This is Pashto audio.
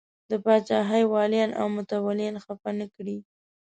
د پاچاهۍ ولیان او متولیان خفه نه کړي.